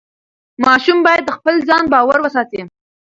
ماشوم باید د خپل ځان باور وساتي.